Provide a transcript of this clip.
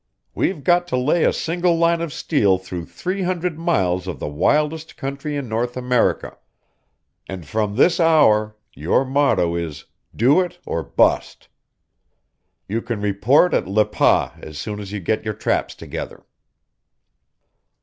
We've got to lay a single line of steel through three hundred miles of the wildest country in North America, and from this hour your motto is 'Do it or bust!' You can report at Le Pas as soon as you get your traps together."